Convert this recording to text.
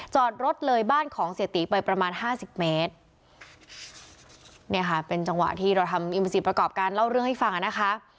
จอดรถเลยบ้านของเสียตีไปประมาณห้าสิบเมตรเนี่ยค่ะเป็นจังหวะที่เราทำอิมวซีประกอบการเล่าเรื่องให้ฟังอ่ะนะคะ